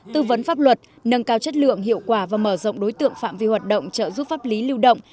tư vấn pháp luật nâng cao chất lượng hiệu quả và mở rộng đối tượng phạm vi hoạt động trợ giúp pháp lý lưu động